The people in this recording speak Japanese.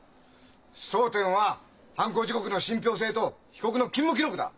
争点は犯行時刻の信ぴょう性と被告の勤務記録だ。